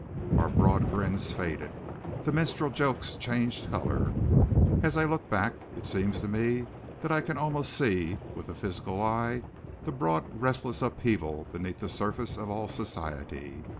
Our broad grins faded. The minstrels' jokes changed colour. As I look back, it seems to me that I can almost see with the physical eye the broad restless upheaval beneath the surface of all society.